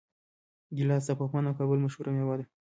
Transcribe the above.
ګیلاس د پغمان او کابل مشهوره میوه ده.